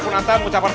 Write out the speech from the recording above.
selamat menuju dong